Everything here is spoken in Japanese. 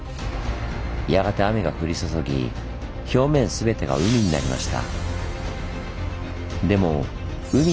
やがて雨が降り注ぎ表面全てが海になりました。